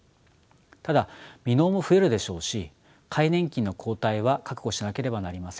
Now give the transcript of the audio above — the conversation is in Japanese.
ただ未納も増えるでしょうし皆年金の後退は覚悟しなければなりません。